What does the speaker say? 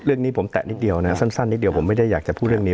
เรื่องนี้ผมแตะนิดเดียวนะสั้นนิดเดียวผมไม่ได้อยากจะพูดเรื่องนี้